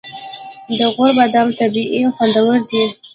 د غور بادام طبیعي او خوندور دي.